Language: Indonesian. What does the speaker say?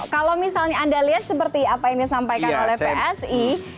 kalau misalnya anda lihat seperti apa yang disampaikan oleh psi